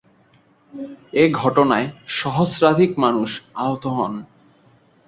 এ ঘটনায় সহস্রাধিক মানুষ আহত হন।